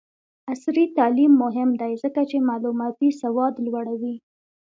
عصري تعلیم مهم دی ځکه چې معلوماتي سواد لوړوي.